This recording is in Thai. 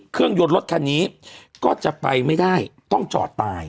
รถยนต์รถคันนี้ก็จะไปไม่ได้ต้องจอดตาย